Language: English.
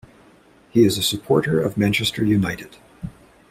He is a supporter of Manchester United.